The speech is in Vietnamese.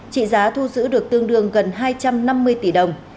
trị giá thu giữ được tương đương gần hai trăm năm mươi tỷ đồng